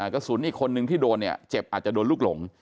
กระสุนอีกคนนึงที่โดนเนี่ยเจ็บอาจจะโดนลูกหลง